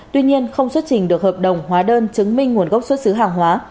tuy nhiên không xuất trình được hợp đồng hóa đơn chứng minh nguồn gốc xuất xứ hàng hóa